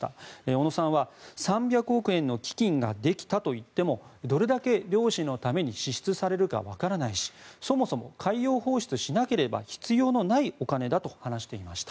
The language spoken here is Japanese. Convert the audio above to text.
小野さんは３００億円の基金ができたといってもどれだけ漁師のために支出されるかわからないしそもそも海洋放出しなければ必要のないお金だと話していました。